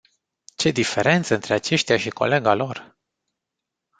Ce diferență între aceștia și colega lor.